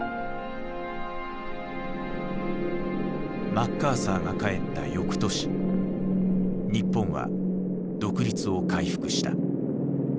マッカーサーが帰ったよくとし日本は独立を回復した。